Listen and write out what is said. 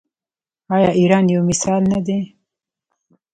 آیا ایران یو مثال نه دی؟